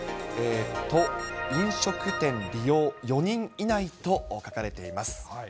都飲食店利用４人以内と書かれています。